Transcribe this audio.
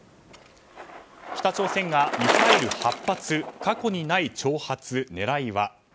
北朝鮮がミサイル８発過去にない挑発、狙いは？